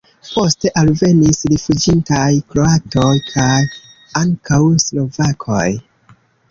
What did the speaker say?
Poste alvenis rifuĝintaj kroatoj kaj ankaŭ slovakoj.